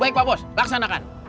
baik pak bos laksanakan